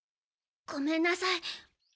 ごめんなさい。